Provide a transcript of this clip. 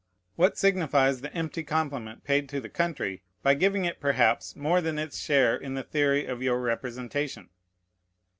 What signifies the empty compliment paid to the country, by giving it, perhaps, more than its share in the theory of your representation?